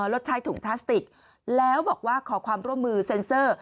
ลดใช้ถุงพลาสติกแล้วบอกว่าขอความร่วมมือเซ็นเซอร์